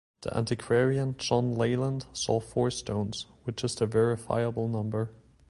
The antiquarian John Leyland saw four stones, which is the verifiable number.